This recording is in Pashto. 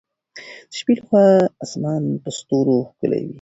د شپې له خوا اسمان په ستورو ښکلی وي.